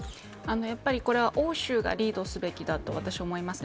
やっぱり、これは欧州がリードすべきだと私は思います。